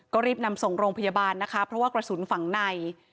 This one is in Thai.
ก็รีบนำส่งโรงพยาบาลนะคะเพราะว่ากระสุนฝั่งใน